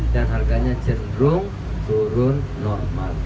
dan harganya cenderung turun normal